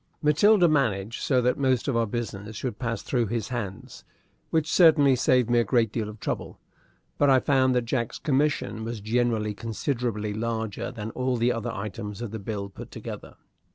Matilda managed so that most of our business should pass through his hands, which certainly saved me a great deal of trouble; but I found that Jack's commission was generally considerably larger than all the other items of the bill put together.